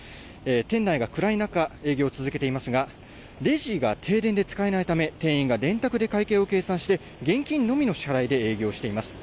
店内が暗い中、営業を続けていますがレジが停電で使えないため店員が電卓で会計を計算して現金のみの支払いで営業しています。